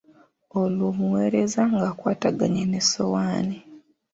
Olwo omuweereza ng'akwataganye n'essowaani.